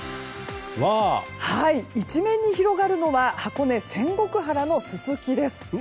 一面に広がるのは箱根仙石原のススキです。